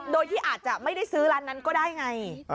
โดยที่อาจจะไม่ได้ซื้อร้านนั้นก็ได้ไง